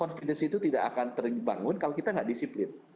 confidence itu tidak akan terbangun kalau kita tidak disiplin